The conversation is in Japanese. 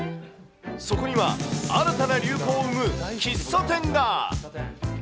そこには新たな流行を生む喫茶店が。